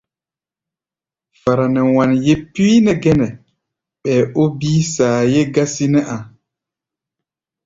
Fara nɛ wanyé píí nɛ gɛnɛ, ɓɛɛ ó bíí saayé gásí nɛ́ a̧.